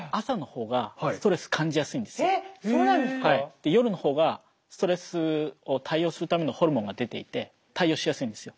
で夜の方がストレスを対応するためのホルモンが出ていて対応しやすいんですよ。